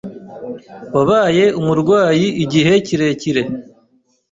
Wabaye umurwayi igihe kirekire,